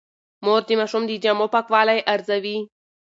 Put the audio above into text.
مور د ماشوم د جامو پاکوالی ارزوي.